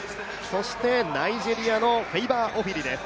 ナイジェリアのフェイバー・オフィリです。